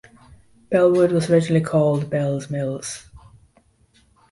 Bellwood was originally called Bell's Mills.